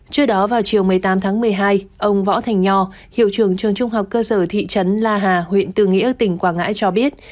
trước đó vào chiều một mươi tám tháng một mươi hai ông võ thành nho hiệu trưởng trường trung học cơ sở thị trấn la hà huyện tư nghĩa tỉnh quảng ngãi cho biết